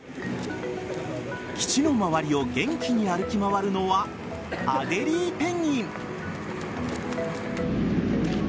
基地の周りを元気に歩き回るのはアデリーペンギン。